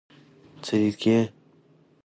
څه لیکې.